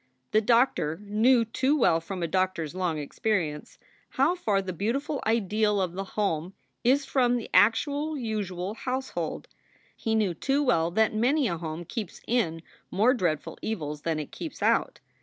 The doctor knew too well from a doctor s long experience how far the beautiful ideal of the home is from the actual usual house hold. He knew too well that many a home keeps in more dreadful evils than it keeps out.